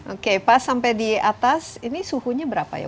oke pas sampai di atas ini suhunya berapa ya